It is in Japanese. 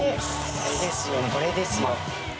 これですよこれですよ。